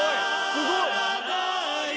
・すごい！